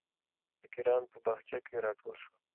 فقیران په باغچه کې راټول شول.